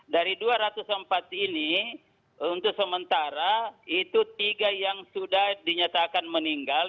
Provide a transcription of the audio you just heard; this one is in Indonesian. dari dua ratus empat ini untuk sementara itu tiga yang sudah dinyatakan meninggal